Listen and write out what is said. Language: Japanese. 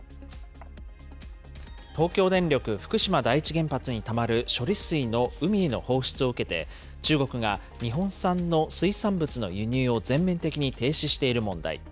東京電力福島第一原発にたまる処理水の海への放出を受けて、中国が日本産の水産物の輸入を全面的に停止している問題。